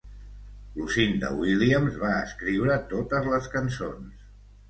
Lucinda Williams va escriure totes les cançons.